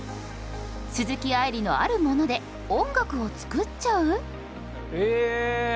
鈴木愛理のあるもので音楽をつくっちゃう！？